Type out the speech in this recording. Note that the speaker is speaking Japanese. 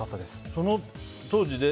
その当時で。